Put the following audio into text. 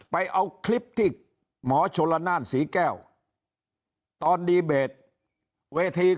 ไปเอาคลิปธิกหมอโชรณานสีแก้วตอนดีเบตเวทีของ